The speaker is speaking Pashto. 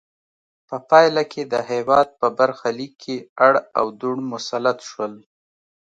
په پایله کې د هېواد په برخه لیک کې اړ او دوړ مسلط شول.